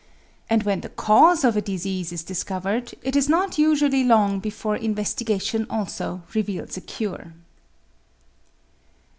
And when the cause of a disease is discovered, it is not usually long before investigation also reveals a cure.